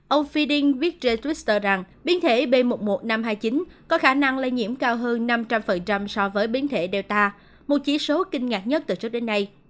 ông frieding viết trên twitter rằng biến thể b một một năm trăm hai mươi chín có khả năng lây nhiễm cao hơn năm trăm linh so với biến thể delta một chỉ số kinh ngạc nhất từ trước đến nay